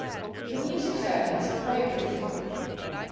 The music fairies are very beautiful.